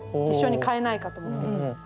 一緒に買えないかと思って。